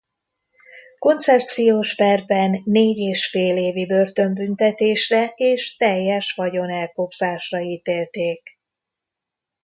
Koncepciós perben négy és fél évi börtönbüntetésre és teljes vagyonelkobzásra ítélték.